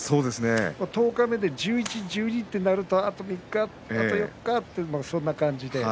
十日目で十一、十二となるとあと３日、あと４日という感じで。